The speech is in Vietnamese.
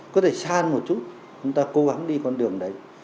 có thể san một chút chúng ta cố gắng đi con đường đấy